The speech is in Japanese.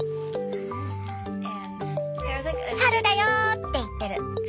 「春だよ！」って言ってる。